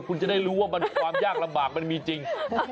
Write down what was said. คุณจะได้รู้ว่าความยากลำบากมันมีจริง